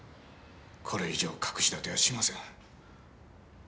これ以上隠し立てはしません